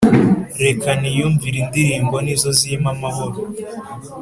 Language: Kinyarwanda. Reka niyumvire indirimbo nizo zima amahoro